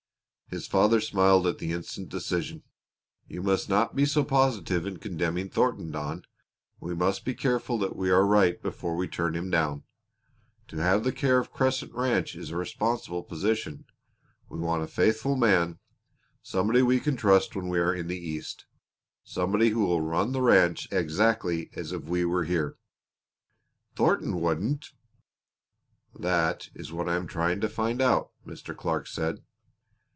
His father smiled at the instant decision. "You must not be so positive in condemning Thornton, Don. We must be careful that we are right before we turn him down. To have the care of Crescent Ranch is a responsible position. We want a faithful man somebody we can trust when we are in the East; somebody who will run the ranch exactly as if we were here." "Thornton wouldn't!" "That is what I am trying to find out," Mr. Clark said.